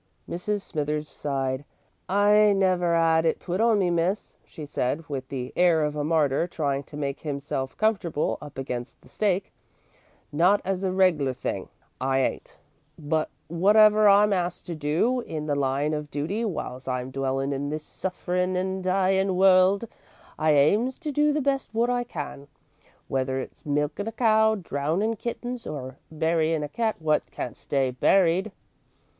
Mrs. Smithers sighed. "I ain't never 'ad it put on me, Miss," she said, with the air of a martyr trying to make himself comfortable up against the stake, "not as a regler thing, I ain't, but wotever I'm asked to do in the line of duty whiles I'm dwellin' in this sufferin' and dyin' world, I aims to do the best wot I can, w'ether it's milkin' a cow, drownin' kittens, or buryin' a cat wot can't stay buried."